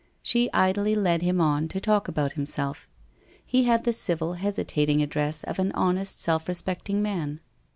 She idly led him on to talk about himself. He had the civil hesitating address of an honest, self respecting man.